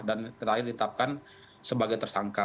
dan terakhir ditetapkan sebagai tersangka